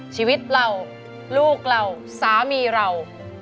ชีวิตเราลูกเราสามีเรา